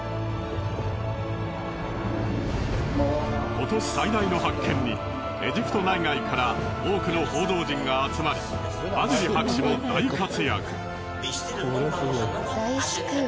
今年最大の発見にエジプト内外から多くの報道陣が集まりワジリ博士も大活躍。